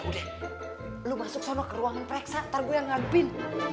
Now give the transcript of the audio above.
ya udah lu masuk ke sana ke ruangan pereksa ntar gua yang ngadepin